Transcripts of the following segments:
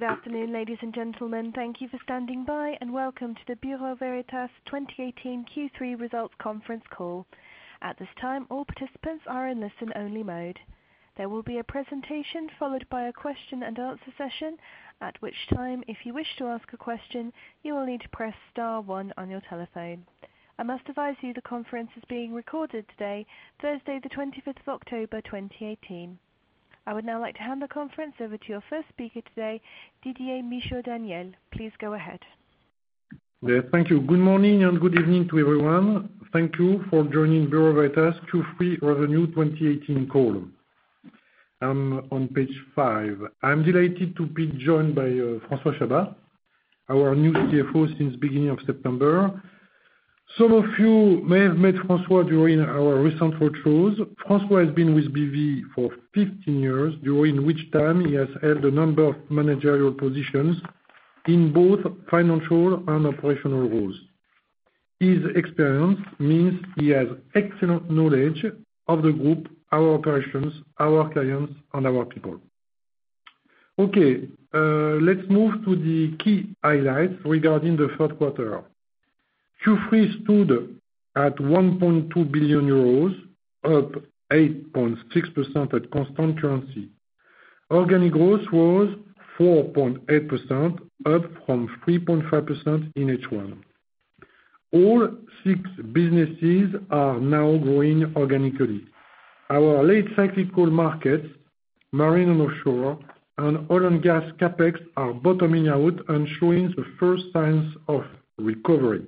Good afternoon, ladies and gentlemen. Thank you for standing by, welcome to the Bureau Veritas 2018 Q3 Results Conference Call. At this time, all participants are in listen only mode. There will be a presentation followed by a question and answer session, at which time, if you wish to ask a question, you will need to press star one on your telephone. I must advise you the conference is being recorded today, Thursday, the 25th of October, 2018. I would now like to hand the conference over to your first speaker today, Didier Michaud-Daniel. Please go ahead. Yes, thank you. Good morning and good evening to everyone. Thank you for joining Bureau Veritas Q3 Revenue 2018 call. I'm on page five. I'm delighted to be joined by François Chabas, our new CFO since beginning of September. Some of you may have met François during our recent roadshows. François has been with BV for 15 years, during which time he has held a number of managerial positions in both financial and operational roles. His experience means he has excellent knowledge of the group, our operations, our clients, and our people. Let's move to the key highlights regarding the third quarter. Q3 stood at 1.2 billion euros, up 8.6% at constant currency. Organic growth was 4.8%, up from 3.5% in H1. All six businesses are now growing organically. Our late cyclical markets, Marine & Offshore, and oil and gas CapEx are bottoming out and showing the first signs of recovery.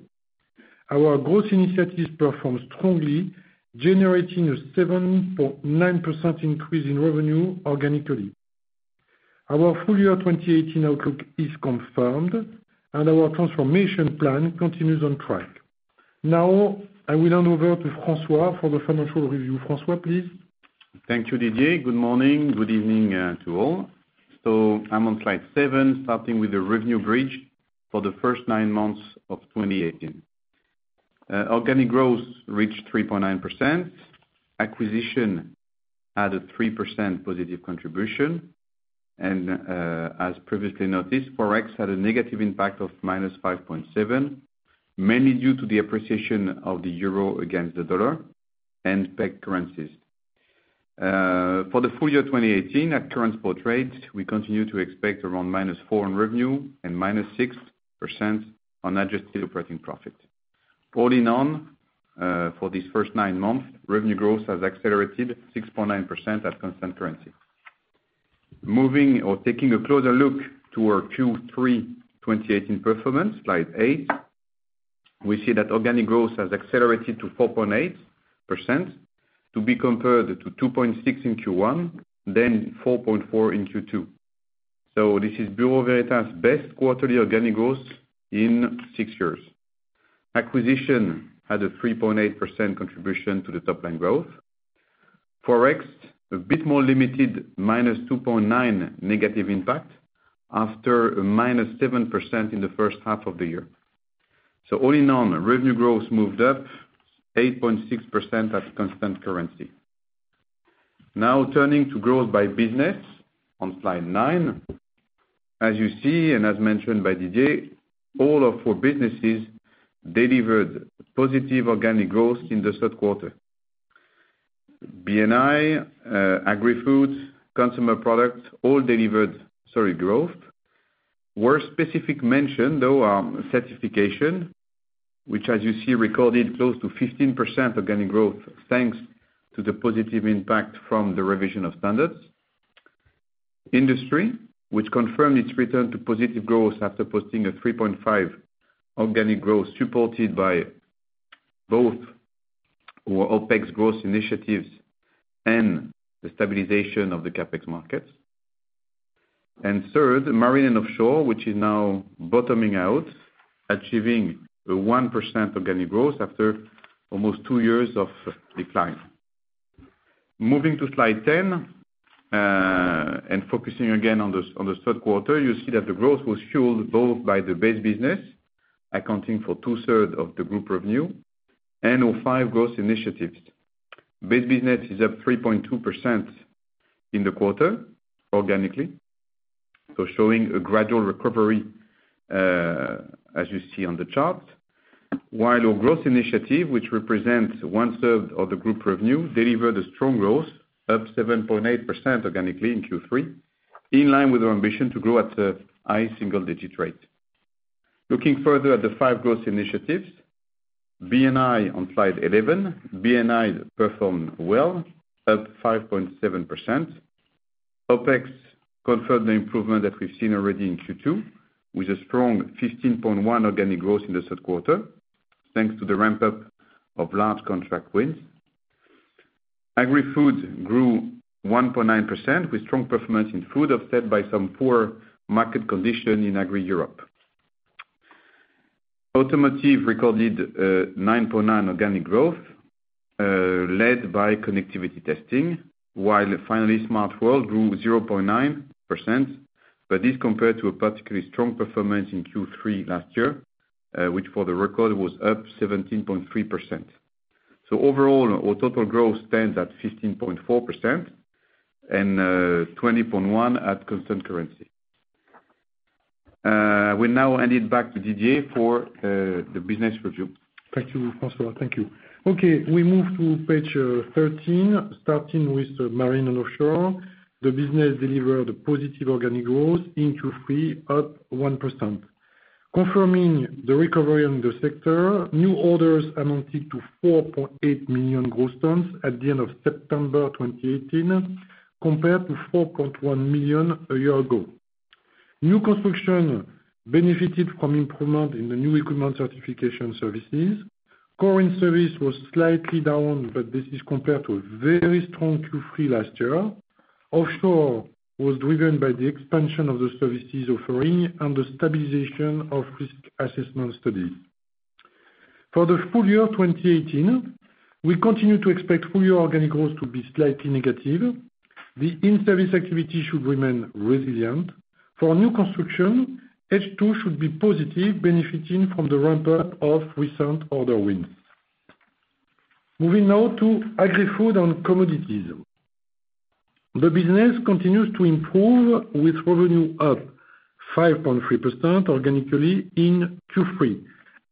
Our growth initiatives perform strongly, generating a 7.9% increase in revenue organically. Our full year 2018 outlook is confirmed, our transformation plan continues on track. I will hand over to François for the financial review. François, please. Thank you, Didier. Good morning, good evening to all. I'm on slide seven, starting with the revenue bridge for the first nine months of 2018. Organic growth reached 3.9%. Acquisition added 3% positive contribution, as previously noted, Forex had a negative impact of -5.7%, mainly due to the appreciation of the euro against the dollar and pegged currencies. For the full year 2018, at current spot rates, we continue to expect around -4% on revenue and -6% on adjusted operating profit. All in all, for these first nine months, revenue growth has accelerated 6.9% at constant currency. Moving or taking a closer look to our Q3 2018 performance, slide eight, we see that organic growth has accelerated to 4.8%, to be compared to 2.6% in Q1, then 4.4% in Q2. This is Bureau Veritas' best quarterly organic growth in six years. Acquisition had a 3.8% contribution to the top line growth. Forex, a bit more limited, -2.9% negative impact after -7% in the first half of the year. All in all, revenue growth moved up 8.6% at constant currency. Turning to growth by business on slide nine. As you see, and as mentioned by Didier, all our four businesses delivered positive organic growth in the third quarter. B&I, Agri-Food, Consumer Products all delivered solid growth. Worth specific mention, though, are Certification, which, as you see, recorded close to 15% organic growth thanks to the positive impact from the revision of standards. Industry, which confirmed its return to positive growth after posting a 3.5% organic growth supported by both our OpEx growth initiatives and the stabilization of the CapEx markets. Third, Marine & Offshore, which is now bottoming out, achieving a 1% organic growth after almost two years of decline. Moving to slide 10, and focusing again on the third quarter, you see that the growth was fueled both by the base business, accounting for 2/3 of the group revenue, and our five growth initiatives. Base business is up 3.2% in the quarter organically, showing a gradual recovery, as you see on the chart. While our growth initiative, which represents 1/3 of the group revenue, delivered a strong growth of 7.8% organically in Q3, in line with our ambition to grow at a high single digit rate. Looking further at the five growth initiatives. B&I on slide 11. B&I performed well at 5.7%. OpEx confirmed the improvement that we've seen already in Q2, with a strong 15.1% organic growth in the third quarter, thanks to the ramp-up of large contract wins. Agrifood grew 1.9% with strong performance in food, offset by some poor market condition in Agri Europe. Automotive recorded 9.9% organic growth, led by connectivity testing. While finally, Smart World grew 0.9%, but this compared to a particularly strong performance in Q3 last year, which for the record was up 17.3%. Overall, our total growth stands at 15.4% and 20.1% at constant currency. We now hand it back to Didier for the business review. Thank you, François. Thank you. We move to page 13, starting with Marine & Offshore. The business delivered a positive organic growth in Q3 up 1%. Confirming the recovery in the sector, new orders amounted to 4.8 million gross tons at the end of September 2018, compared to 4.1 million a year ago. New construction benefited from improvement in the new equipment Certification services. Core in service was slightly down, but this is compared to a very strong Q3 last year. Offshore was driven by the expansion of the services offering and the stabilization of risk assessment studies. For the full year 2018, we continue to expect full year organic growth to be slightly negative. The in-service activity should remain resilient. For new construction, H2 should be positive, benefiting from the ramp-up of recent order wins. Moving now to Agri-Food & Commodities. The business continues to improve with revenue up 5.3% organically in Q3.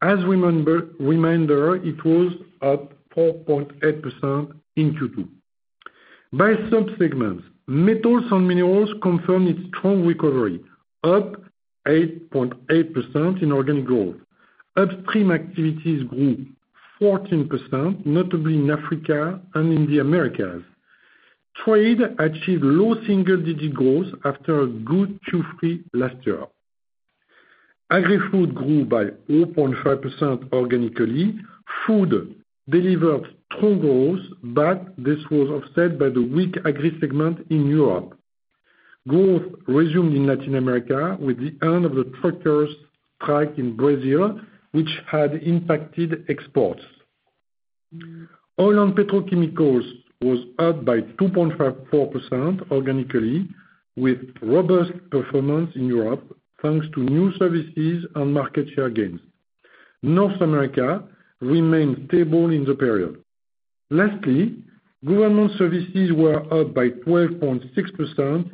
As a reminder, it was up 4.8% in Q2. By sub-segments, metals and minerals confirmed its strong recovery, up 8.8% in organic growth. Upstream activities grew 14%, notably in Africa and in the Americas. Trade achieved low single-digit growth after a good Q3 last year. Agri-Food grew by 0.5% organically. Food delivered strong growth, but this was offset by the weak agri segment in Europe. Growth resumed in Latin America with the end of the truckers' strike in Brazil, which had impacted exports. Oil and petrochemicals was up by 2.54% organically, with robust performance in Europe, thanks to new services and market share gains. North America remained stable in the period. Lastly, government services were up by 12.6%,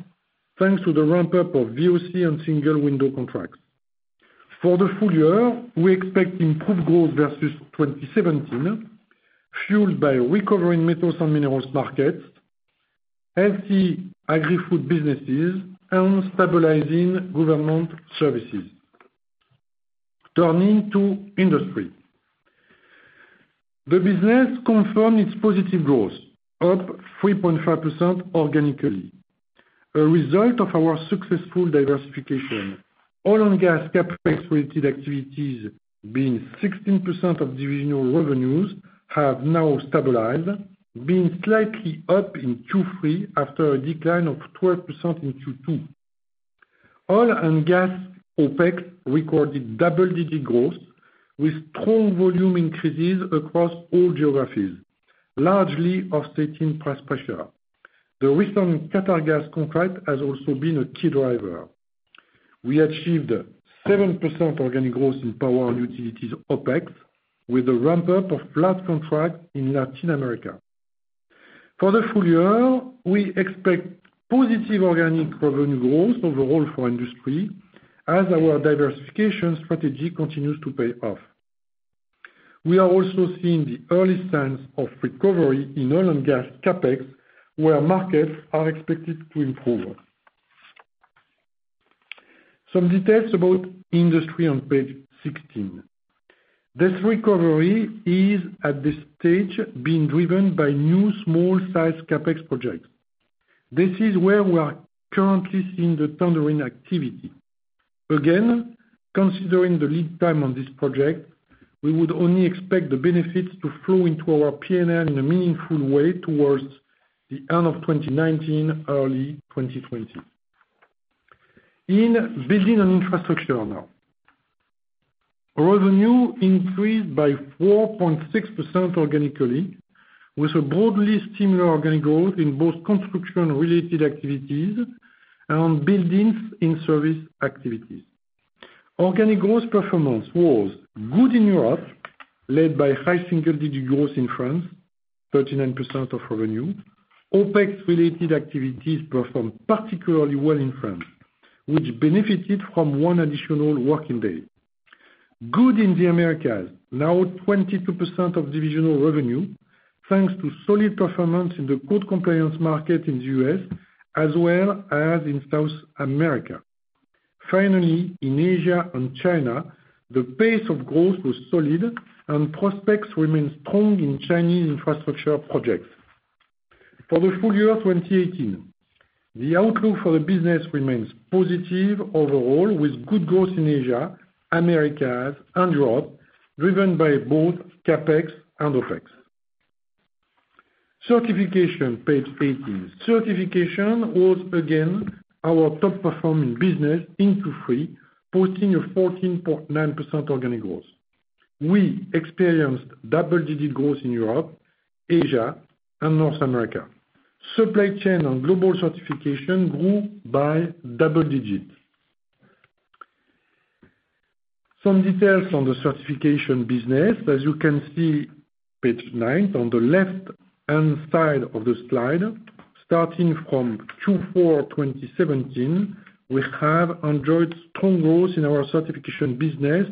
thanks to the ramp-up of VOC and single window contracts. For the full year, we expect improved growth versus 2017, fueled by recovering metals and minerals markets, healthy Agri-Food businesses, and stabilizing government services. Turning to Industry. The business confirmed its positive growth, up 3.5% organically. A result of our successful diversification. Oil and gas CapEx related activities, being 16% of divisional revenues, have now stabilized, being slightly up in Q3 after a decline of 12% in Q2. Oil and gas OpEx recorded double-digit growth with strong volume increases across all geographies, largely offsetting price pressure. The recent Qatargas contract has also been a key driver. We achieved 7% organic growth in power and utilities OpEx with a ramp-up of flat contract in Latin America. For the full year, we expect positive organic revenue growth overall for Industry as our diversification strategy continues to pay off. We are also seeing the early signs of recovery in oil and gas CapEx, where markets are expected to improve. Some details about Industry on page 16. This recovery is, at this stage, being driven by new small-sized CapEx projects. This is where we are currently seeing the tendering activity. Considering the lead time on this project, we would only expect the benefits to flow into our P&L in a meaningful way towards the end of 2019, early 2020. In building and infrastructure now. Revenue increased by 4.6% organically, with a broadly similar organic growth in both construction related activities and buildings in service activities. Organic growth performance was good in Europe, led by high single-digit growth in France, 39% of revenue. OpEx related activities performed particularly well in France, which benefited from one additional working day. Good in the Americas, now 22% of divisional revenue, thanks to solid performance in the code compliance market in the U.S., as well as in South America. Finally, in Asia and China, the pace of growth was solid and prospects remain strong in Chinese infrastructure projects. For the full year 2018, the outlook for the business remains positive overall, with good growth in Asia, Americas, and Europe, driven by both CapEx and OpEx. Certification, page 18. Certification was again our top performing business in Q3, posting a 14.9% organic growth. We experienced double-digit growth in Europe, Asia, and North America. Supply chain and global certification grew by double digit. Some details on the certification business. As you can see, page nine, on the left-hand side of the slide, starting from Q4 2017, we have enjoyed strong growth in our Certification business,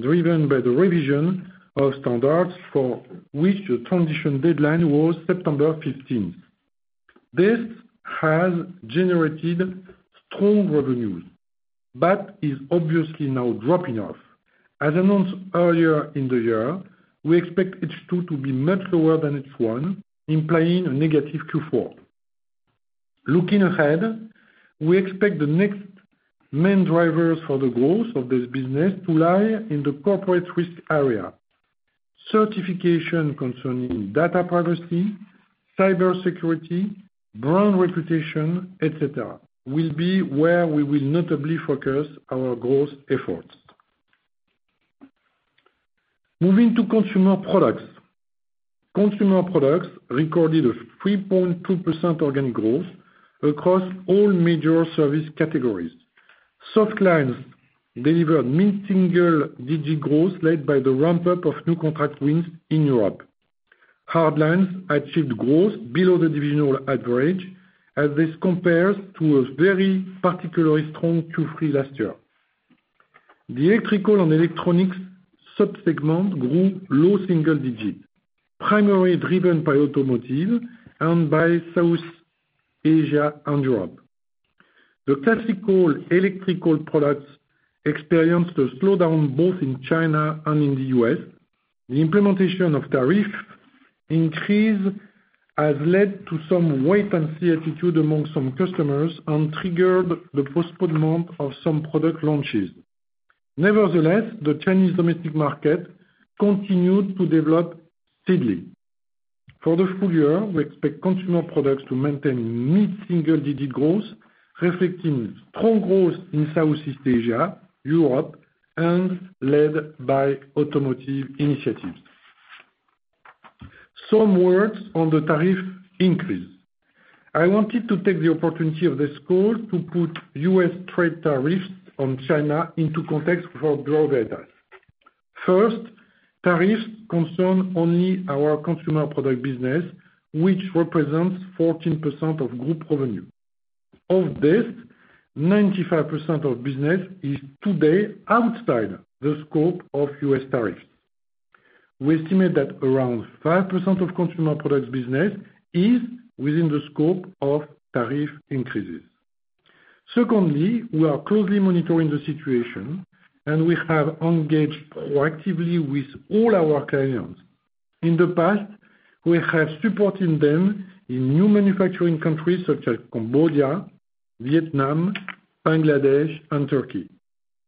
driven by the revision of standards for which the transition deadline was September 15th. This has generated strong revenues, but is obviously now dropping off. As announced earlier in the year, we expect H2 to be much lower than H1, implying a negative Q4. Looking ahead, we expect the next main drivers for the growth of this business to lie in the corporate risk area. Certification concerning data privacy, cybersecurity, brand reputation, et cetera, will be where we will notably focus our growth efforts. Moving to Consumer Products. Consumer Products recorded a 3.2% organic growth across all major service categories. Softlines delivered mid-single digit growth, led by the ramp-up of new contract wins in Europe. Hardlines's achieved growth below the divisional average, as this compares to a very particularly strong Q3 last year. The electrical and electronics sub-segment grew low single digit, primarily driven by Automotive and by South Asia and Europe. The classical electrical products experienced a slowdown both in China and in the U.S. The implementation of tariff increase has led to some wait-and-see attitude among some customers and triggered the postponement of some product launches. Nevertheless, the Chinese domestic market continued to develop steadily. For the full year, we expect Consumer Products to maintain mid-single digit growth, reflecting strong growth in Southeast Asia, Europe, and led by Automotive initiatives. Some words on the tariff increase. I wanted to take the opportunity of this call to put U.S. trade tariffs on China into context for Bureau Veritas. First, tariffs concern only our Consumer Products business, which represents 14% of group revenue. Of this, 95% of business is today outside the scope of U.S. tariffs. We estimate that around 5% of Consumer Products business is within the scope of tariff increases. Secondly, we are closely monitoring the situation, and we have engaged proactively with all our clients. In the past, we have supported them in new manufacturing countries such as Cambodia, Vietnam, Bangladesh, and Turkey.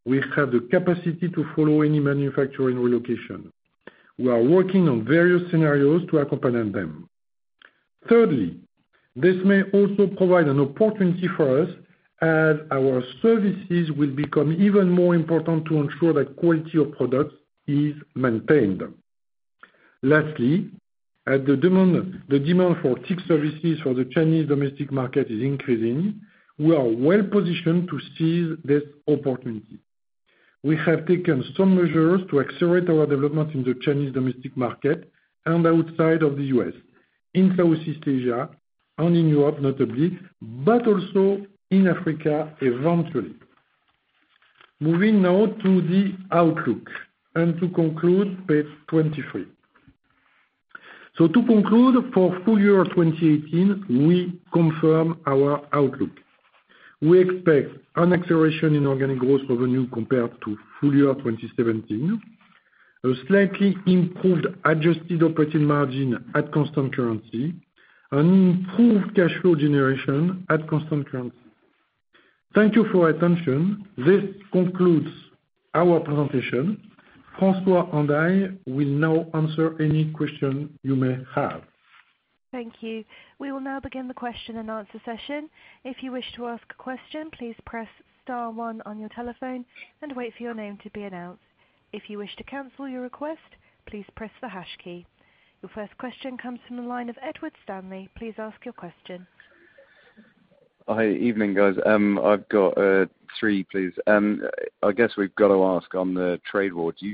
We have the capacity to follow any manufacturing relocation. We are working on various scenarios to accompany them. Thirdly, this may also provide an opportunity for us, as our services will become even more important to ensure that quality of products is maintained. Lastly, as the demand for TIC services for the Chinese domestic market is increasing, we are well positioned to seize this opportunity. We have taken some measures to accelerate our development in the Chinese domestic market and outside of the U.S., in Southeast Asia and in Europe notably, but also in Africa eventually. Moving now to the outlook, and to conclude, page 23. To conclude, for full year 2018, we confirm our outlook. We expect an acceleration in organic growth revenue compared to full year 2017, a slightly improved adjusted operating margin at constant currency, and improved cash flow generation at constant currency. Thank you for your attention. This concludes our presentation. François and I will now answer any question you may have. Thank you. We will now begin the question and answer session. If you wish to ask a question, please press star one on your telephone and wait for your name to be announced. If you wish to cancel your request, please press the hash key. Your first question comes from the line of Edward Stanley. Please ask your question. Hi. Evening, guys. I've got three, please. I guess we've got to ask on the trade war, do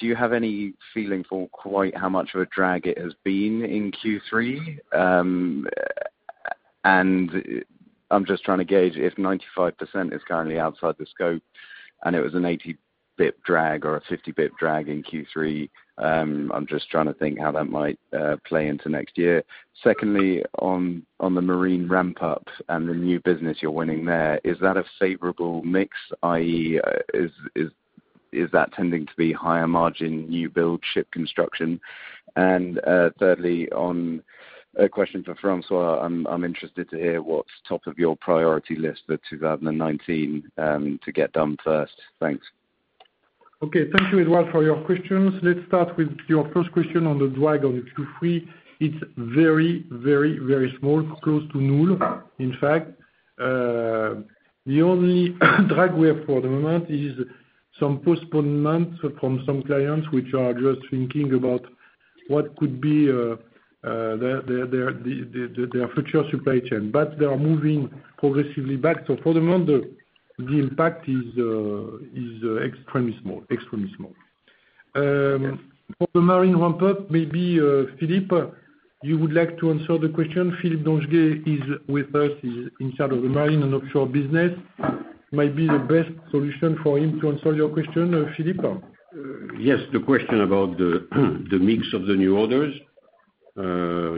you have any feeling for quite how much of a drag it has been in Q3? I'm just trying to gauge, if 95% is currently outside the scope and it was an 80 basis point drag or a 50 basis point drag in Q3, I'm just trying to think how that might play into next year. Secondly, on the marine ramp-up and the new business you're winning there, is that a favorable mix, i.e., is that tending to be higher margin, new build ship construction? Thirdly, a question for François, I'm interested to hear what's top of your priority list for 2019 to get done first. Thanks. Okay. Thank you, Edward, for your questions. Let's start with your first question on the drag on the Q3. It's very, very, very small, close to null, in fact. The only drag we have for the moment is some postponements from some clients which are just thinking about what could be their future supply chain, but they are moving progressively back. For the moment, the impact is extremely small. For the marine ramp-up, maybe Philippe, you would like to answer the question? Philippe Donnet is with us. He's in charge of the Marine & Offshore business. Might be the best solution for him to answer your question, Philippe? Yes, the question about the mix of the new orders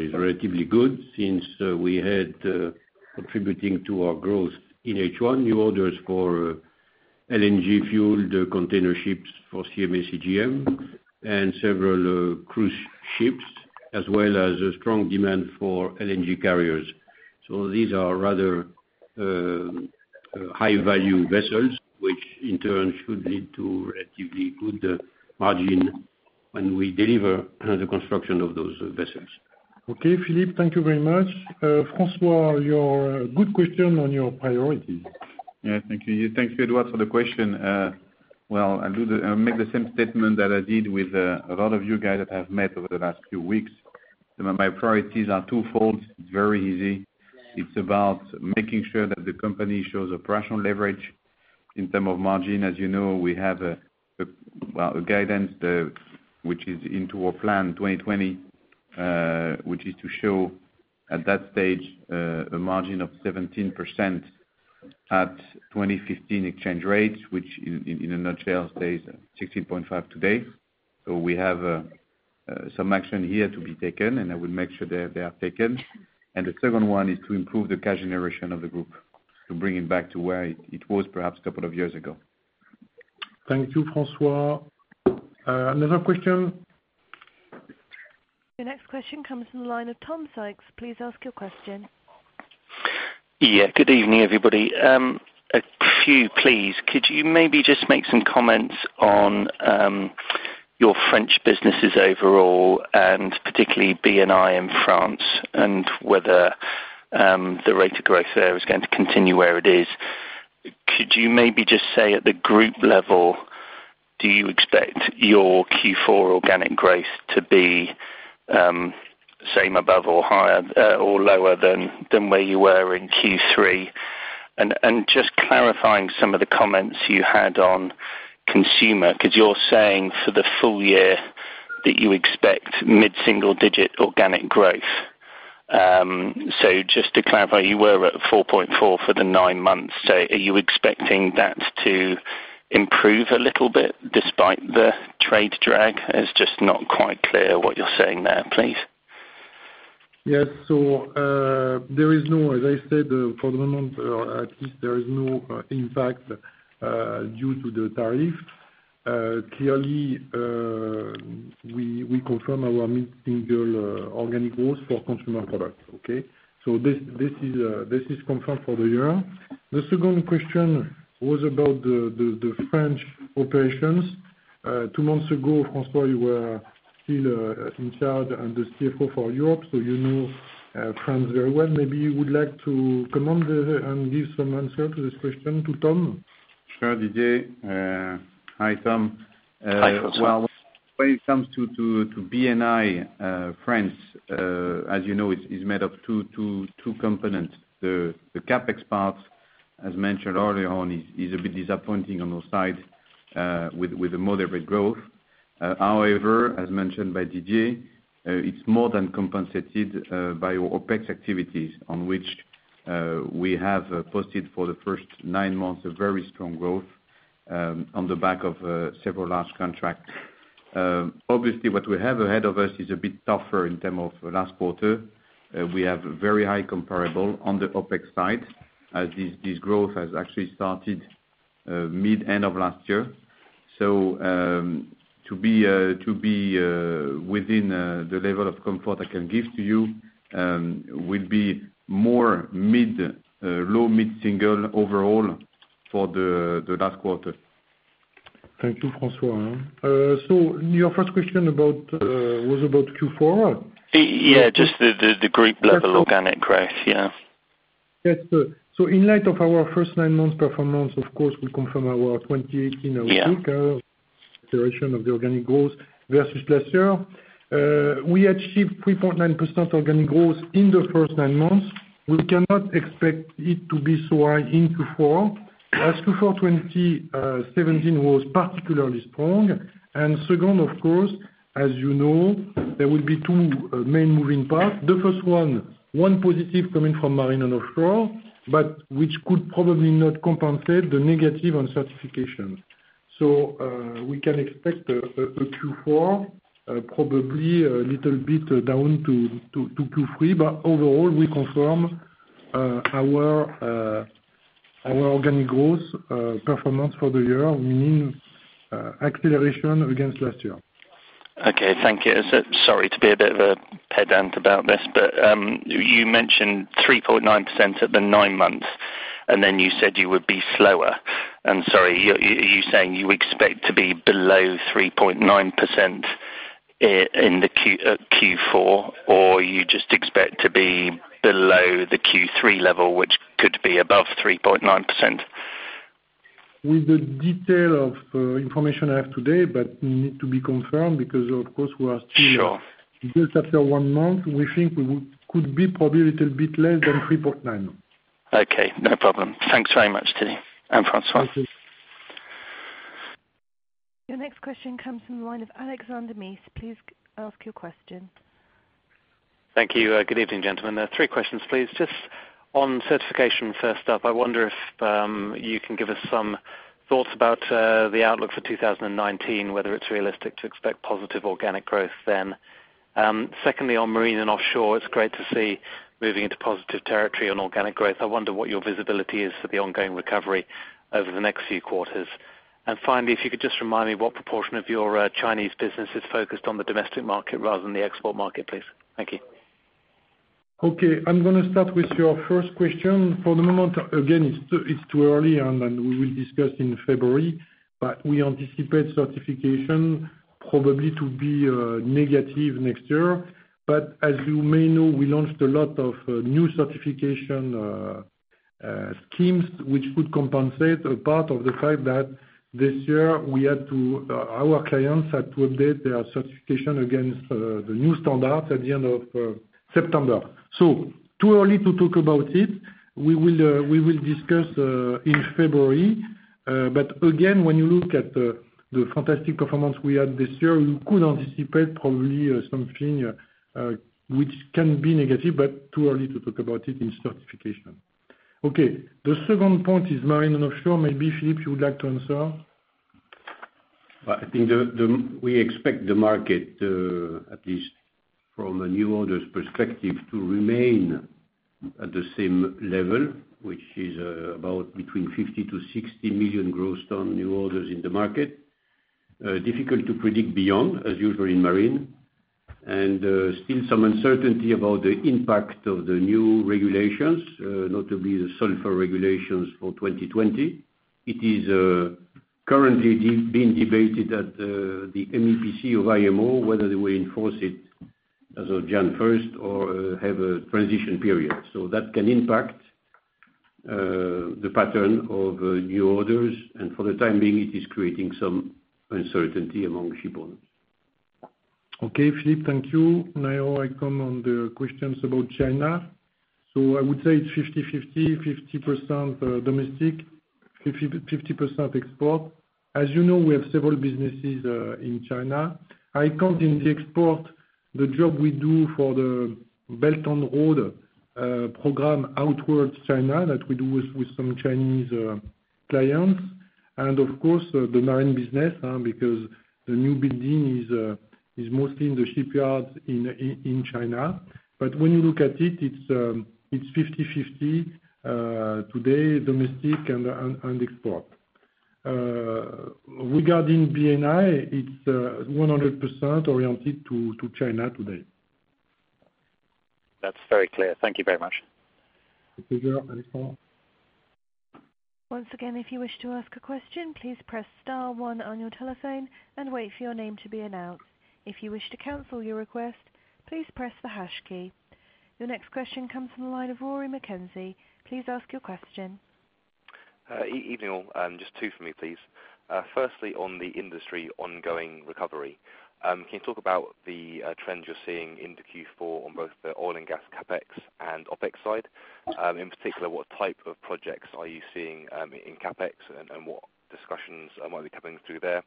is relatively good since we had contributing to our growth in H1 new orders for LNG-fueled container ships for CMA CGM and several cruise ships, as well as a strong demand for LNG carriers. These are rather high-value vessels, which in turn should lead to relatively good margin when we deliver the construction of those vessels. Okay, Philippe, thank you very much. François, your good question on your priorities. Thank you. Thank you, Edward, for the question. Well, I'll make the same statement that I did with a lot of you guys that I've met over the last few weeks. My priorities are twofold. It's very easy. It's about making sure that the company shows operational leverage in term of margin. As you know, we have a guidance, which is into our Plan 2020, which is to show at that stage, a margin of 17% at 2015 exchange rates, which in a nutshell stays 16.5% today. We have some action here to be taken, and I will make sure they are taken. The second one is to improve the cash generation of the group, to bring it back to where it was perhaps a couple of years ago. Thank you, François. Another question? The next question comes from the line of Tom Sykes. Please ask your question. Good evening, everybody. Could you maybe just make some comments on your French businesses overall, and particularly B&I in France, and whether the rate of growth there is going to continue where it is? Could you maybe just say at the group level, do you expect your Q4 organic growth to be same above or lower than where you were in Q3? Just clarifying some of the comments you had on consumer, because you're saying for the full year that you expect mid-single digit organic growth. Just to clarify, you were at 4.4 for the nine months. Are you expecting that to improve a little bit despite the trade drag? It's just not quite clear what you're saying there, please. Yes. There is no, as I said, for the moment at least, there is no impact due to the tariff. Clearly, we confirm our mid-single organic growth for Consumer Products, okay? This is confirmed for the year. The second question was about the French operations. Two months ago, François, you were still in charge and the CFO for Europe, so you know France very well. Maybe you would like to comment and give some answer to this question to Tom. Sure, Didier. Hi, Tom. Hi, François. When it comes to B&I France, as you know, it's made of two components. The CapEx part, as mentioned earlier on, is a bit disappointing on those sides with a moderate growth. However, as mentioned by Didier, it's more than compensated by our OpEx activities, on which we have posted for the first nine months of very strong growth on the back of several large contracts. Obviously, what we have ahead of us is a bit tougher in term of last quarter. We have very high comparable on the OpEx side, as this growth has actually started mid-end of last year. To be within the level of comfort I can give to you, will be more low mid-single overall for the last quarter. Thank you, François. Your first question was about Q4? Just the group level organic growth. In light of our first nine months performance, of course, we confirm our 2018 outlook. Yeah direction of the organic growth versus last year. We achieved 3.9% organic growth in the first 9 months. We cannot expect it to be so high in Q4. Q4 2017 was particularly strong, and second, of course, as you know, there will be two main moving parts. The first one positive coming from Marine & Offshore, but which could probably not compensate the negative on Certification. We can expect a Q4, probably a little bit down to Q3, but overall, we confirm our organic growth performance for the year, meaning acceleration against last year. Okay. Thank you. Sorry to be a bit of a pedant about this, but you mentioned 3.9% at the 9 months, and then you said you would be slower. Sorry, are you saying you expect to be below 3.9% in Q4, or you just expect to be below the Q3 level, which could be above 3.9%? With the detail of information I have today, but need to be confirmed because, of course, we are still. Sure just after 1 month, we think we could be probably a little bit less than 3.9%. Okay, no problem. Thanks very much to you and François. Thank you. Your next question comes from the line of Alexander Mees. Please ask your question. Thank you. Good evening, gentlemen. Three questions, please. Just on Certification, first up, I wonder if you can give us some thoughts about the outlook for 2019, whether it is realistic to expect positive organic growth then. Secondly, on Marine & Offshore, it is great to see moving into positive territory on organic growth. I wonder what your visibility is for the ongoing recovery over the next few quarters. Finally, if you could just remind me what proportion of your Chinese business is focused on the domestic market rather than the export market, please. Thank you. I'm going to start with your first question. For the moment, again, it's too early, and we will discuss in February. We anticipate Certification probably to be negative next year. As you may know, we launched a lot of new Certification schemes which could compensate a part of the fact that this year our clients had to update their Certification against the new standards at the end of September. Too early to talk about it. We will discuss in February. Again, when you look at the fantastic performance we had this year, you could anticipate probably something which can be negative, but too early to talk about it in Certification. The second point is Marine & Offshore. Maybe, Philippe, you would like to answer? I think we expect the market, at least from a new orders perspective, to remain at the same level, which is about between 50 to 60 million gross ton new orders in the market. Difficult to predict beyond, as usual in marine, and still some uncertainty about the impact of the new regulations, notably the sulfur regulations for 2020. It is currently being debated at the MEPC of IMO, whether they will enforce it as of Jan 1st or have a transition period. That can impact the pattern of new orders, and for the time being, it is creating some uncertainty among ship owners. Philippe, thank you. Now I come on the questions about China. I would say it's 50/50% domestic, 50% export. As you know, we have several businesses in China. I count in the export the job we do for the Belt and Road Program outwards China that we do with some Chinese clients. Of course, the marine business, because the new building is mostly in the shipyards in China. When you look at it's 50/50 today, domestic and export. Regarding B&I, it's 100% oriented to China today. That's very clear. Thank you very much. Thank you. Once again, if you wish to ask a question, please press *1 on your telephone and wait for your name to be announced. If you wish to cancel your request, please press the # key. Your next question comes from the line of Rory McKenzie. Please ask your question. Evening, all. Just two from me, please. Firstly, on the Industry ongoing recovery, can you talk about the trends you're seeing into Q4 on both the oil and gas CapEx and OpEx side? In particular, what type of projects are you seeing in CapEx and what discussions are maybe coming through there?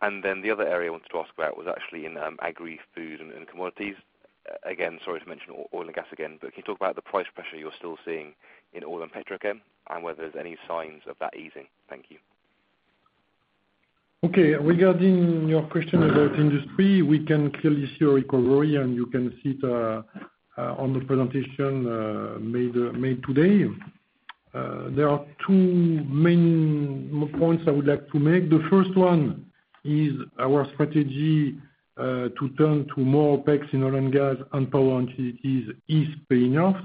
Then the other area I wanted to ask about was actually in Agri-Food and Commodities. Again, sorry to mention oil and gas again, but can you talk about the price pressure you're still seeing in oil and petrochem and whether there's any signs of that easing? Thank you. Okay. Regarding your question about Industry, we can clearly see a recovery, and you can see it on the presentation made today. There are two main points I would like to make. The first one is our strategy to turn to more OpEx in oil and gas and power utilities is paying off.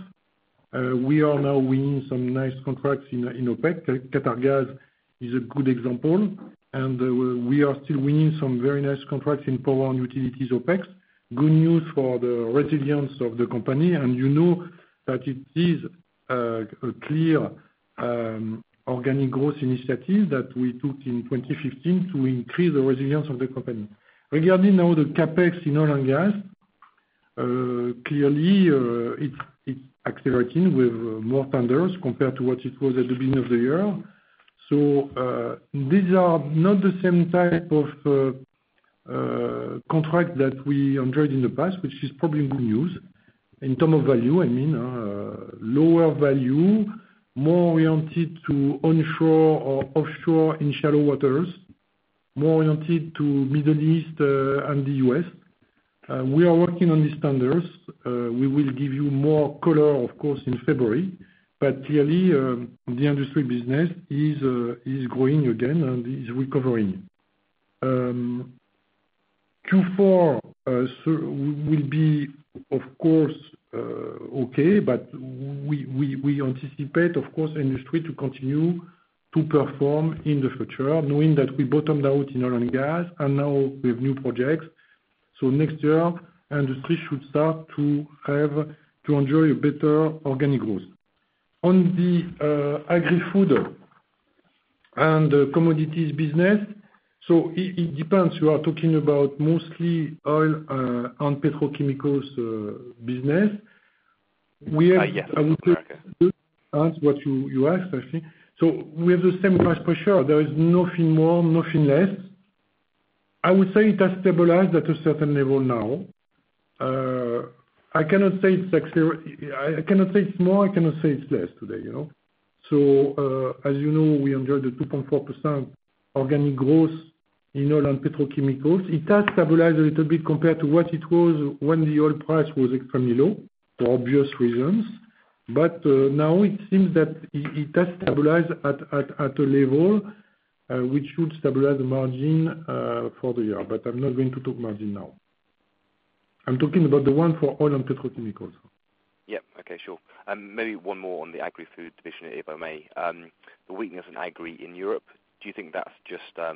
We are now winning some nice contracts in OpEx. Qatargas is a good example, and we are still winning some very nice contracts in power and utilities OpEx. Good news for the resilience of the company, and you know that it is a clear organic growth initiative that we took in 2015 to increase the resilience of the company. Regarding now the CapEx in oil and gas, clearly, it's accelerating with more tenders compared to what it was at the beginning of the year. These are not the same type of contract that we enjoyed in the past, which is probably good news in terms of value, I mean. Lower value, more oriented to onshore or offshore in shallow waters, more oriented to Middle East and the U.S. We are working on these tenders. We will give you more color, of course, in February. Clearly, the Industry business is growing again and is recovering. Q4 will be, of course, okay, but we anticipate, of course, Industry to continue to perform in the future, knowing that we bottomed out in oil and gas, and now we have new projects. Next year, Industry should start to enjoy a better organic growth. On the Agri-Food & Commodities business, it depends. You are talking about mostly oil and petrochemicals business. Yes. I would say what you asked, actually. We have the same price for sure. There is nothing more, nothing less. I would say it has stabilized at a certain level now. I cannot say it's more, I cannot say it's less today. As you know, we enjoyed the 2.4% organic growth in oil and petrochemicals. It has stabilized a little bit compared to what it was when the oil price was extremely low, for obvious reasons. Now it seems that it has stabilized at a level which should stabilize the margin for the year, but I'm not going to talk margin now. I'm talking about the one for oil and petrochemicals. Yep. Okay, sure. Maybe one more on the Agri-Food division, if I may. The weakness in Agri in Europe, do you think that's just a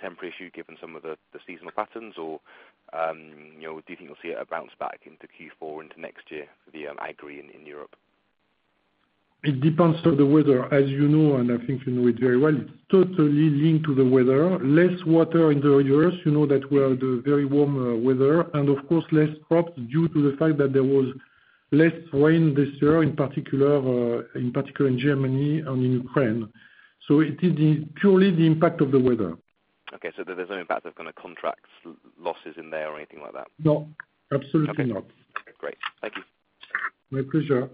temporary issue given some of the seasonal patterns, or do you think we'll see it bounce back into Q4 into next year, the Agri in Europe? It depends on the weather, as you know, and I think you know it very well. It's totally linked to the weather. Less water in the earth, you know that we had a very warm weather, and of course less crops due to the fact that there was less rain this year, in particular in Germany and in Ukraine. It is purely the impact of the weather. Okay, there's no impact of contract losses in there or anything like that? No. Absolutely not. Okay, great. Thank you. My pleasure.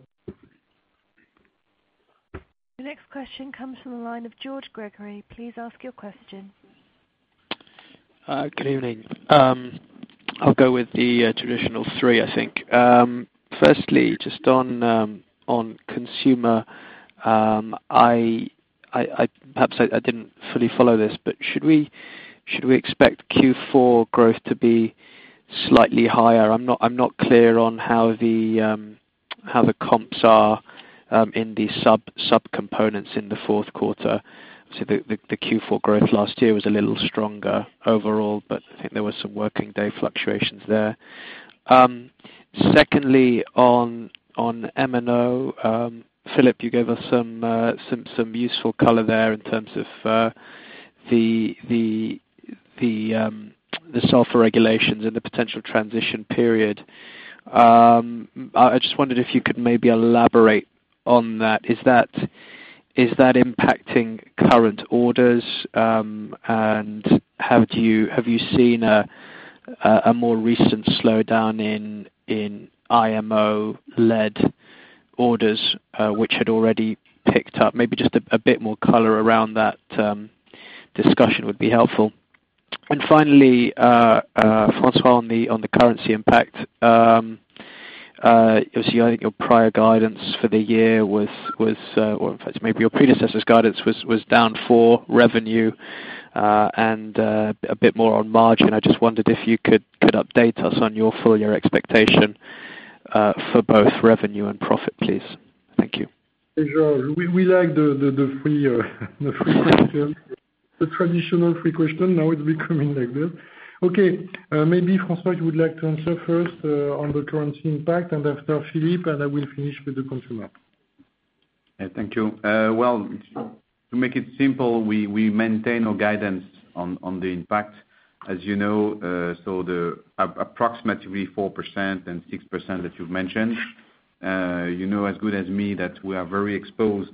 The next question comes from the line of George Gregory. Please ask your question. Good evening. I'll go with the traditional three, I think. Firstly, just on consumer. Perhaps I didn't fully follow this, but should we expect Q4 growth to be slightly higher? I'm not clear on how the comps are in the sub-components in the fourth quarter. The Q4 growth last year was a little stronger overall, but I think there were some working day fluctuations there. Secondly, on M&O. Philippe, you gave us some useful color there in terms of the sulfur regulations and the potential transition period. I just wondered if you could maybe elaborate on that. Is that impacting current orders? Have you seen a more recent slowdown in IMO-led orders, which had already picked up? Maybe just a bit more color around that discussion would be helpful. Finally, François, on the currency impact. Obviously, I think your prior guidance for the year was, or in fact, maybe your predecessor's guidance was down for revenue, and a bit more on margin. I just wondered if you could update us on your full year expectation for both revenue and profit, please. Thank you. Hey, George. We like the free questions. The traditional free question, now it's becoming like that. Okay. Maybe, François, you would like to answer first, on the currency impact, and after Philippe, and I will finish with the consumer. Thank you. To make it simple, we maintain our guidance on the impact. As you know, the approximately 4% and 6% that you've mentioned. You know as good as me that we are very exposed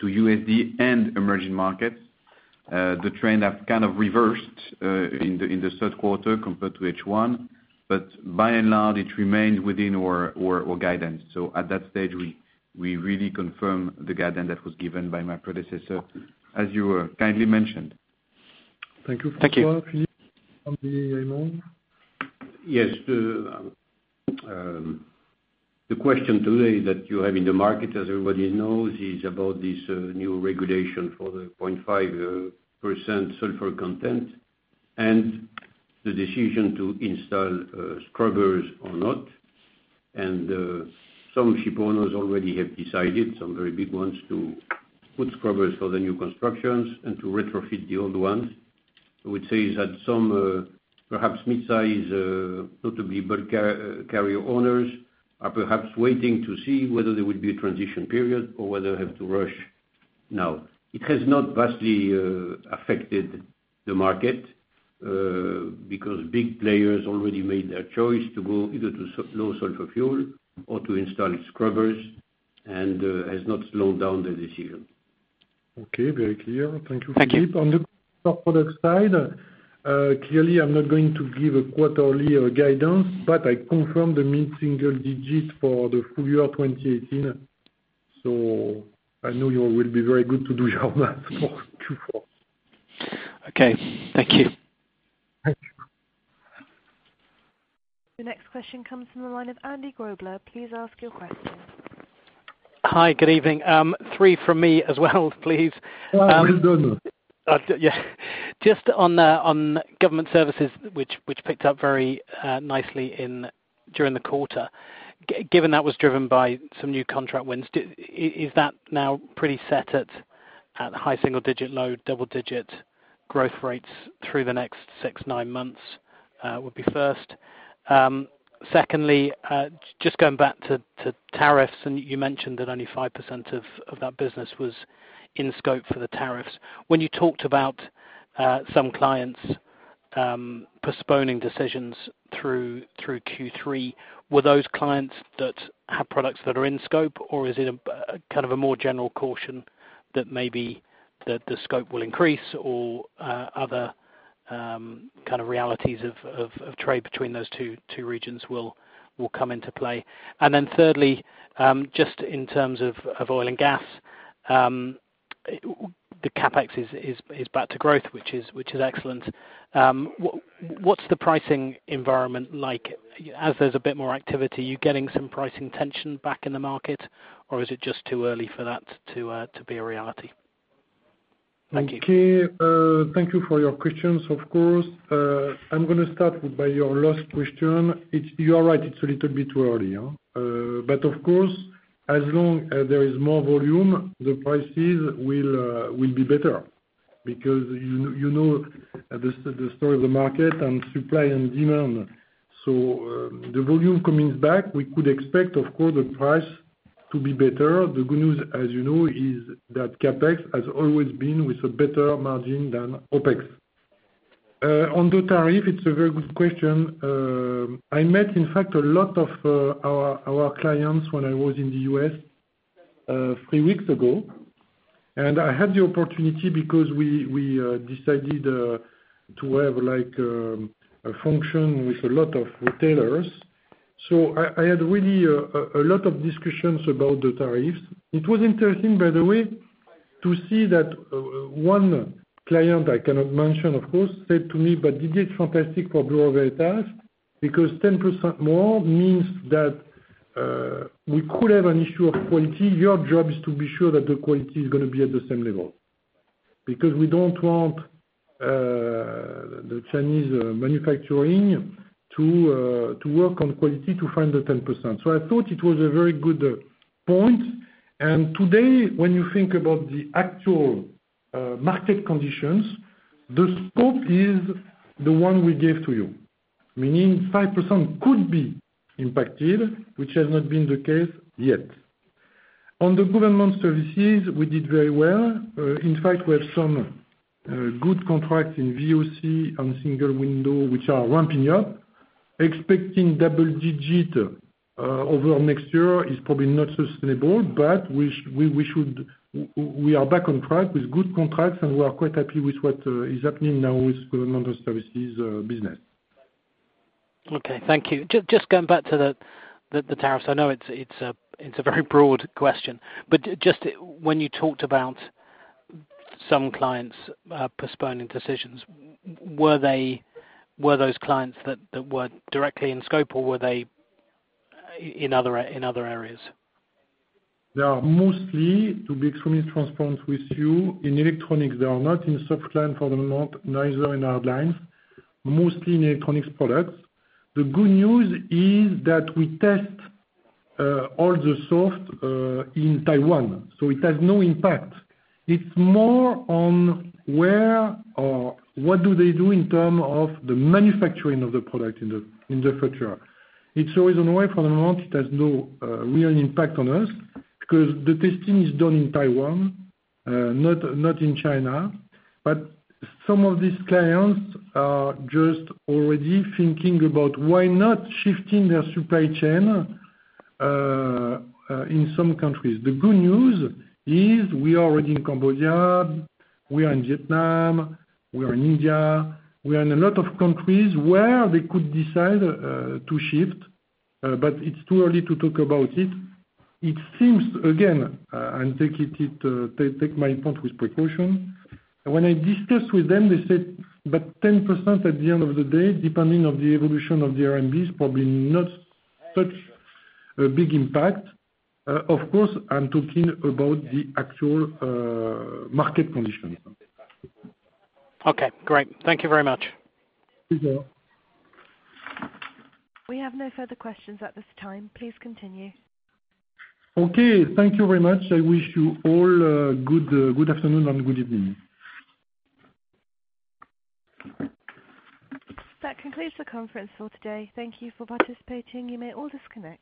to USD and emerging markets. The trend has kind of reversed in the third quarter compared to H1, by and large, it remained within our guidance. At that stage, we really confirm the guidance that was given by my predecessor, as you kindly mentioned. Thank you, François. Thank you. Philippe, on the M&O? Yes. The question today that you have in the market, as everybody knows, is about this new regulation for the 0.5% sulfur content, and the decision to install scrubbers or not. Some ship owners already have decided, some very big ones, to put scrubbers for the new constructions and to retrofit the old ones. I would say that some, perhaps midsize, notably bulk carrier owners, are perhaps waiting to see whether there would be a transition period or whether they have to rush now. It has not vastly affected the market, because big players already made their choice to go either to low sulfur fuel or to install scrubbers, and has not slowed down the decision. Okay. Very clear. Thank you, Philippe. Thank you. On the top product side, clearly, I'm not going to give a quarterly guidance, but I confirm the mid-single digits for the full year 2018. I know you will be very good to do your math for Q4. Okay. Thank you. Thank you. The next question comes from the line of Andy Grobler. Please ask your question. Hi, good evening. Three from me as well, please. Well done. Just on government services, which picked up very nicely during the quarter. Given that was driven by some new contract wins, is that now pretty set at high single-digit, low double-digit growth rates through the next six, nine months? Would be first. Secondly, just going back to tariffs, you mentioned that only 5% of that business was in scope for the tariffs. When you talked about some clients postponing decisions through Q3, were those clients that have products that are in scope, or is it a more general caution that maybe the scope will increase or other realities of trade between those two regions will come into play? Thirdly, just in terms of oil and gas, the CapEx is back to growth, which is excellent. What's the pricing environment like? As there's a bit more activity, are you getting some pricing tension back in the market, or is it just too early for that to be a reality? Thank you. Okay. Thank you for your questions, of course. I'm going to start by your last question. You are right, it's a little bit early. Of course, as long as there is more volume, the prices will be better because you know the story of the market and supply and demand. The volume coming back, we could expect, of course, the price to be better. The good news, as you know, is that CapEx has always been with a better margin than OpEx. On the tariff, it's a very good question. I met, in fact, a lot of our clients when I was in the U.S. three weeks ago. I had the opportunity because we decided to have a function with a lot of retailers. I had really a lot of discussions about the tariffs. It was interesting, by the way, to see that one client, I cannot mention, of course, said to me, "This is fantastic for Bureau Veritas because 10% more means that we could have an issue of quality. Your job is to be sure that the quality is going to be at the same level because we don't want the Chinese manufacturing to work on quality to find the 10%." I thought it was a very good point. Today, when you think about the actual market conditions, the scope is the one we gave to you, meaning 5% could be impacted, which has not been the case yet. On the government services, we did very well. In fact, we have some good contracts in VOC and single window, which are ramping up. Expecting double digit over next year is probably not sustainable, we are back on track with good contracts, we are quite happy with what is happening now with government services business. Okay, thank you. Just going back to the tariffs. I know it's a very broad question, just when you talked about some clients postponing decisions, were those clients that were directly in scope, or were they in other areas? They are mostly, to be extremely transparent with you, in electronics. They are not in softlines for the moment, neither in hardlines, mostly in electronics products. The good news is that we test all the soft in Taiwan, so it has no impact. It's more on where or what do they do in terms of the manufacturing of the product in the future. It's always on the way for the moment. It has no real impact on us because the testing is done in Taiwan, not in China. Some of these clients are just already thinking about why not shifting their supply chain in some countries. The good news is we are already in Cambodia, we are in Vietnam, we are in India. We are in a lot of countries where they could decide to shift, it's too early to talk about it. It seems, again, and take my point with precaution. When I discussed with them, they said that 10% at the end of the day, depending on the evolution of the RMB, is probably not such a big impact. Of course, I'm talking about the actual market condition. Okay, great. Thank you very much. Sure. We have no further questions at this time. Please continue. Okay. Thank you very much. I wish you all good afternoon and good evening. That concludes the conference for today. Thank you for participating. You may all disconnect.